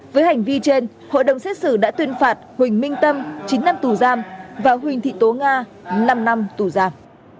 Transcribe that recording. với hành vi trên hội đồng xét xử đã tuyên phạt huỳnh minh tâm chín năm tù giam và huỳnh thị tố nga năm năm tù giam